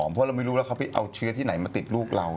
เพราะเราไม่รู้แล้วเขาไปเอาเชื้อที่ไหนมาติดลูกเรา